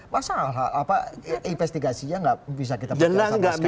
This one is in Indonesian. masalah apa investigasinya tidak bisa kita percaya sama sekali